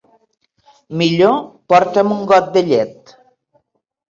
Millor porta'm un got de llet.